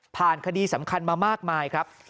คดีสำคัญมามากมายครับ